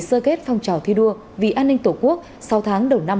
sơ kết phong trào thi đua vì an ninh tổ quốc sáu tháng đầu năm hai nghìn hai mươi